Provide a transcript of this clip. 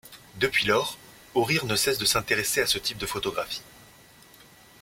Depuis lors, O'Rear ne cesse de s'intéresser à ce type de photographies.